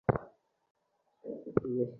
লক্ষ্মী ঘরে রহিল।